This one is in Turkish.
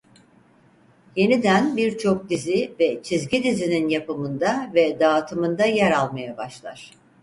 Yeniden birçok dizi ve çizgi dizinin yapımında ve dağıtımında yer almaya başlar.